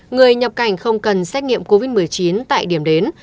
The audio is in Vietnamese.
người nhập cảnh không cần xét nghiệm covid một mươi chín tại điểm đến